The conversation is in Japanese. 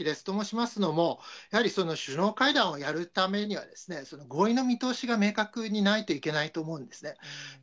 と申しますのも、やはり首脳会談をやるためには、合意の見通しが明確にないといけないと思うんですね。